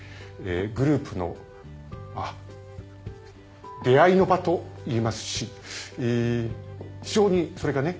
グループの出会いの場といいますし非常にそれがね